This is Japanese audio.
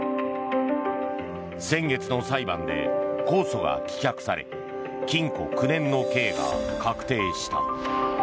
先月の裁判で控訴が棄却され禁錮９年の刑が確定した。